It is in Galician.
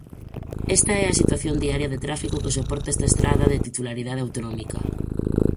Esta é a situación diaria de tráfico que soporta esta estrada de titularidade autonómica.